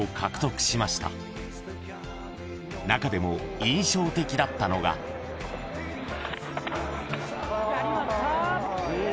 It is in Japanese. ［中でも印象的だったのが］やりました！